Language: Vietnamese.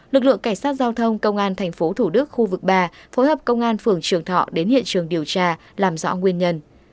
lực lượng cảnh sát giao thông công an tp thủ đức khu vực ba phối hợp công an phường trường thọ đến hiện trường điều tra làm rõ nguyên nhân